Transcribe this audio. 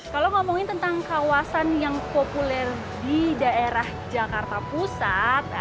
kalau ngomongin tentang kawasan yang populer di daerah jakarta pusat